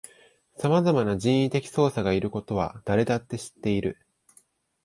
さまざまな人為的操作がいることは誰だって知っている